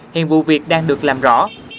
hiện vụ việc đang được làm rõ